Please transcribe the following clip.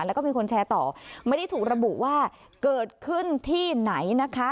แล้วก็มีคนแชร์ต่อไม่ได้ถูกระบุว่าเกิดขึ้นที่ไหนนะคะ